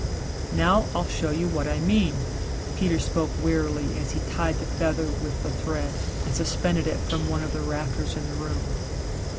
"Now I'll show you what I mean," Peter spoke wearily as he tied the feather with the thread and suspended it from one of the rafters in the room.